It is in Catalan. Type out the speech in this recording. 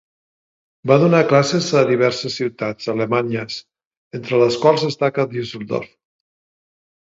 Va donar classes a diverses ciutats alemanyes, entre les quals destaca Düsseldorf.